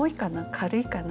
軽いかな？